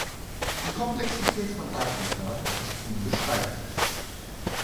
Die Komplexität von Afrika ist unbeschreiblich.